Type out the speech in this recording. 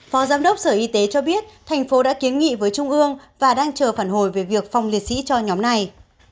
phó giám đốc sở y tế cho biết thành phố đã kiến nghị với trung ương và đang chờ phản hồi về việc phòng liệt sĩ cho nhóm này